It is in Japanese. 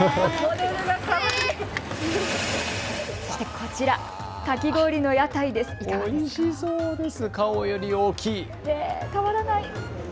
こちら、かき氷の屋台です。